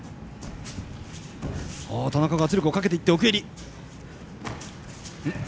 田中が圧力をかけていって奥襟。